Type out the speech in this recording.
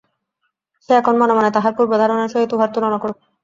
সে এখন মনে মনে তাহার পূর্ব-ধারণার সহিত উহার তুলনা করুক।